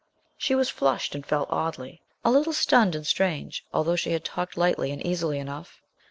She was flushed, and felt oddly; a little stunned and strange, although she had talked lightly and easily enough.